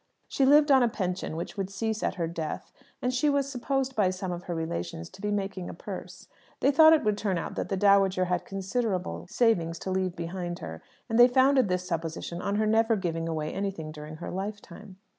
She lived on a pension which would cease at her death, and she was supposed by some of her relations to be making a purse. They thought it would turn out that the dowager had considerable savings to leave behind her; and they founded this supposition on her never giving away anything during her lifetime.